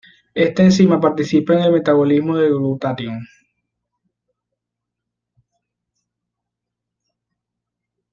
Esta enzima participa en el metabolismo del glutatión.